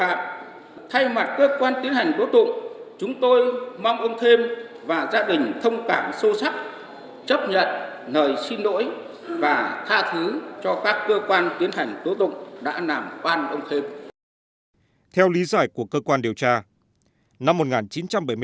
đại diện các cơ quan tiến hành tố tụng thừa nhận đây là lỗi của các cơ quan tiến hành tố tụng trực tiếp điều tra xử sơ thẩm phúc thẩm vụ án từ những năm một nghìn chín trăm bảy mươi